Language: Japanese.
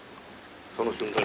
その瞬間に？